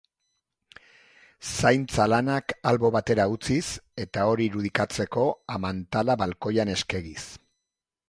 Zaintza lanak albo batera utziz eta hori irudikatzeko amantala balkoian eskegiz.